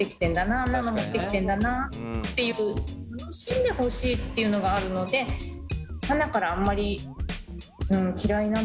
なあんなの持ってきてんだなっていう楽しんでほしいっていうのがあるのではなからあんまりリクエストがうれしいんだ。